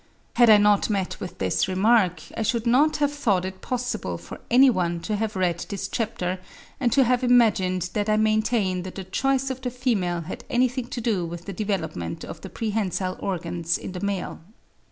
Had I not met with this remark, I should not have thought it possible for any one to have read this chapter and to have imagined that I maintain that the choice of the female had anything to do with the development of the prehensile organs in the male.)